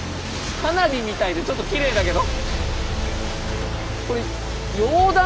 花火みたいでちょっときれいだけど。